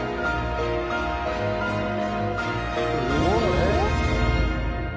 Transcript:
えっ？